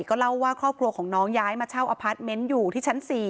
ก็เล่าว่าครอบครัวของน้องย้ายมาเช่าอพาร์ทเมนต์อยู่ที่ชั้น๔